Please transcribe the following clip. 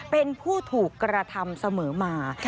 เป็นผู้ถูกกระทำเสมอมา